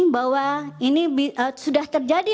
bahwa ini sudah terjadi